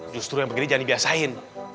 justru yang pekerjaan dibiasain